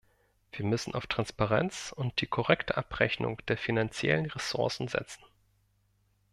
Wir müssen auf Transparenz und die korrekte Abrechnung der finanziellen Ressourcen setzen.